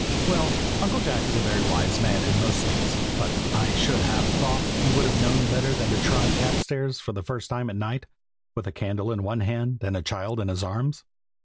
Well, Uncle Jack is a very wise man in most things, but I should have thought he would have known better than to try the cat stairs for the first time at night, with a candle in one hand, and a child in his arms.